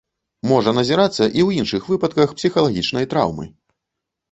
Можа назірацца і ў іншых выпадках псіхалагічнай траўмы.